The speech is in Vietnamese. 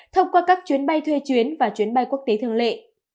thông qua các chuyến bay thuê chuyến và chuyến bay quốc tế thường lệ